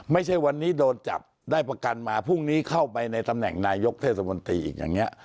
ไม่ใช่วันนี้โดนจับได้ประกันมาพรุ่งนี้เข้าไปในตำแหน่งนายกเทศมนตรีอีกอย่างนี้